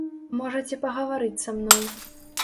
Можаце пагаварыць са мной.